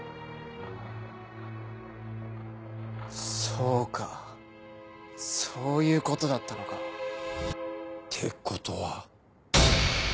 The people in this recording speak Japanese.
そうかそういうことだったのか。ってことは？